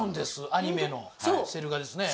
アニメのセル画ですね